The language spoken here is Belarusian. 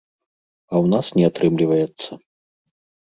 А ў нас не атрымліваецца.